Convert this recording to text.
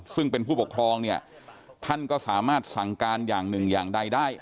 ซึ่งเป็นผู้ปกครองเนี่ยท่านก็สามารถสั่งการอย่างหนึ่งอย่างใดได้